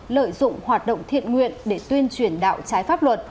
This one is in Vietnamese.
lợi dụng hoạt động thiện nguyện để tuyên truyền đạo trái pháp luật